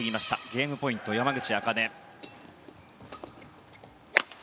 ゲームポイント、山口茜。